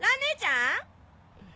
ん？